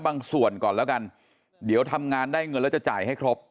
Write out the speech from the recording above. ก่อนแล้วกันเดี๋ยวทำงานได้เงินแล้วจะจ่ายให้ครบ